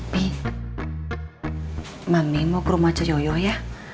mi mami mau ke rumah ceoyoh ya